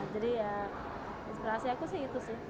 jadi ya inspirasi aku sih itu sih